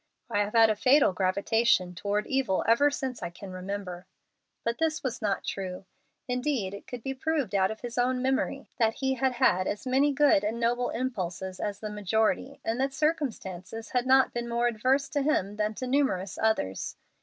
"I have had a fatal gravitation toward evil ever since I can remember." But this was not true. Indeed, it could be proved out of his own memory that he had had as many good and noble impulses as the majority, and that circumstances had not been more adverse to him than to numerous others.